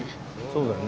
そうだね。